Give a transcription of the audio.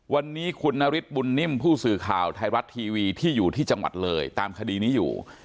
วันนี้คุณนฤทธิบุญนิ่มผู้สื่อข่าวไทยรัฐทีวีที่อยู่ที่จังหวัดเลยตามคดีนี้อยู่